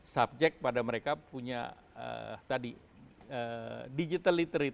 subjek pada mereka punya tadi digitally treat